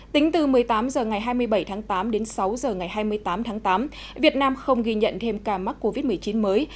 tính từ một mươi tám h ngày hai mươi bảy tháng tám đến sáu h ngày hai mươi tám tháng tám việt nam không ghi nhận thêm ca mắc covid một mươi chín mới